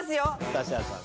指原さん。